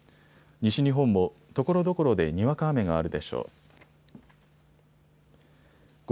西日本もところどころでにわか雨があるでしょう。